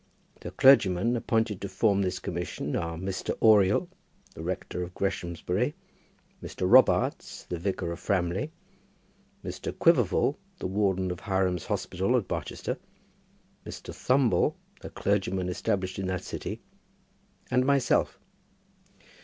The clergymen appointed to form this commission are Mr. Oriel, the rector of Greshamsbury, Mr. Robarts, the vicar of Framley, Mr. Quiverful, the warden of Hiram's Hospital at Barchester, Mr. Thumble, a clergyman established in that city, and myself.